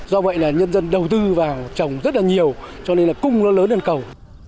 do vậy là nhân dân đầu tư vào trồng rất là nhiều cho nên là cung nó lớn hơn cầu